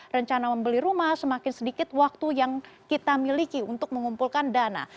rencana membeli rumah semakin sedikit waktu yang kita miliki untuk mengumpulkan dana